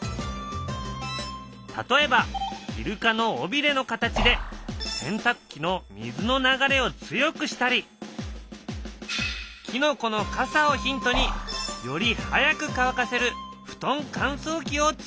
例えばイルカの尾びれの形で洗たく機の水の流れを強くしたりキノコのかさをヒントにより早く乾かせる布団かんそう機をつくったりした。